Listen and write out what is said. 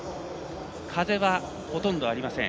風はほとんどありません。